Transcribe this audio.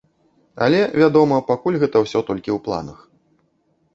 Але, вядома, пакуль гэта ўсё толькі ў планах.